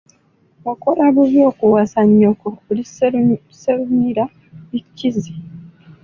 Wakola bubi okuwasa nnyoko, oli Sserumira-bikizi.